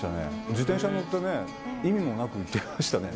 自転車に乗ってね、意味もなく行ってましたね。